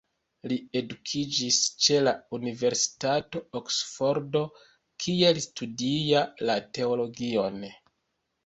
Li edukiĝis ĉe la universitato de Oksfordo, kie li studia la teologion.